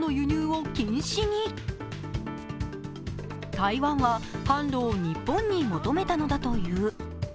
台湾は販路を日本に求めたのだという。